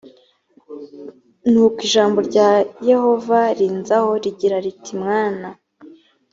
nuko ijambo rya yehova rinzaho rigira riti mwana